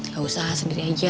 gak usah sendiri aja